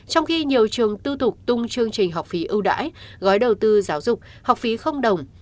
trong khi nhiều trường tư thục tung chương trình học phí ưu đãi gói đầu tư giáo dục học phí không đồng